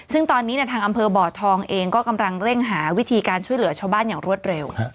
ซึ่งตอนนี้ทางอำเภอบ่อทองเองก็กำลังเร่งหาวิธีการช่วยเหลือชาวบ้านอย่างรวดเร็ว